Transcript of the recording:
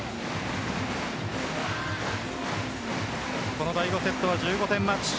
この第５セットは１５点マッチ。